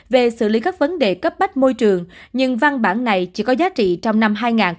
về xử lý các vấn đề cấp bách môi trường nhưng văn bản này chỉ có giá trị trong năm hai nghìn một mươi tám